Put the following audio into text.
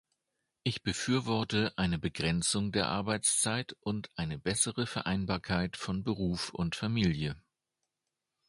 Ich befürworte eine Begrenzung der Arbeitszeit und eine bessere Vereinbarkeit von Beruf und Familie.